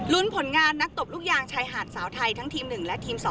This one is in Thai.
ผลงานนักตบลูกยางชายหาดสาวไทยทั้งทีม๑และทีม๒